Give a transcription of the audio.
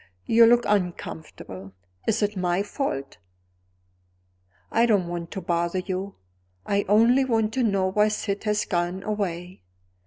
You look uncomfortable. Is it my fault? I don't want to bother you; I only want to know why Syd has gone away.